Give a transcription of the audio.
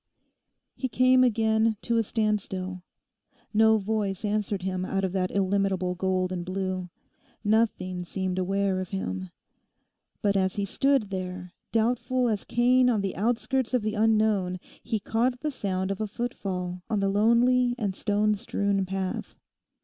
He came again to a standstill. No voice answered him out of that illimitable gold and blue. Nothing seemed aware of him. But as he stood there, doubtful as Cain on the outskirts of the unknown, he caught the sound of a footfall on the lonely and stone strewn path.